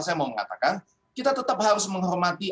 saya mau mengatakan kita tetap harus menghormati